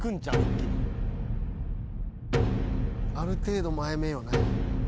ある程度前めよな。